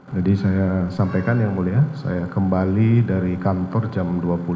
jadi saya sampaikan yang mulia saya kembali dari kantor jam dua puluh